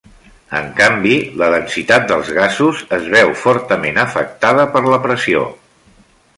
En canvi, la densitat dels gasos es veu fortament afectada per la pressió.